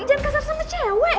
jangan kasar sama cewek